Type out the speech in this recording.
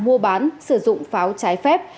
mua bán sử dụng pháo trái phép